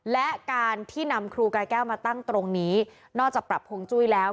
และการที่นำครูกายแก้วมาตั้งตรงนี้นอกจากปรับฮวงจุ้ยแล้ว